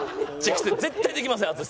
絶対できません！